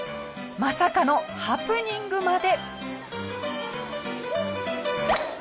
まさかのハプニングまで。